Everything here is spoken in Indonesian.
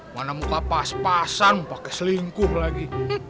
mana muka pas pasan pakai selingkuh lagi